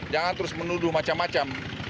jangan terus menuduh macam macam